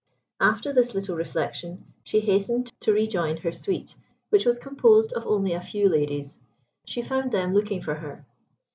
After this little reflection, she hastened to rejoin her suite, which was composed of only a few ladies. She found them looking for her.